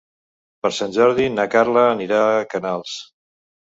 Per Sant Jordi na Carla anirà a Canals.